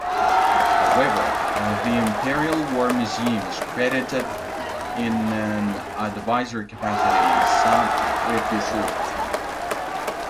However, the Imperial War Museum is credited in an advisory capacity in some episodes.